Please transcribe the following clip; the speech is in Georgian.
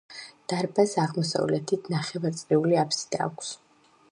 დარბაზს აღმოსავლეთით ნახევარწრიული აბსიდა აქვს.